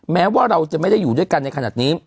แม้ว่าเราจะไม่ได้อยู่ด้วยกันในขณะนี้